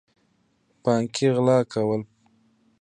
پانګې غلا کوي.